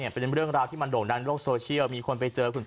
เป็นเรื่องราวที่โดนดักในโลกโซเชียล